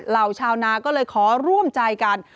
เหล่าชาวนาก็เลยขอร่วมใจกัน